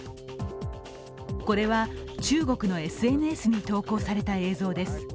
これは中国のＳＮＳに投稿された映像です。